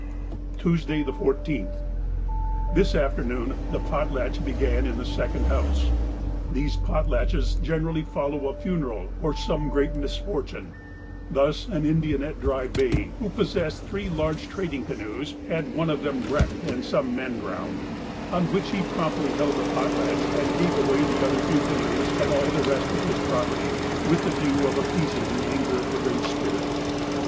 Tuesday, the 14th.—This afternoon the potlatch began in the second house. These potlatches generally follow a funeral or some great misfortune; thus an Indian at Dry Bay, who possessed three large trading canoes, had one of them wrecked and some men drowned, on which he promptly held a potlatch and gave away the other two canoes and all the rest of his property, with the view of appeasing the anger of the Great Spirit.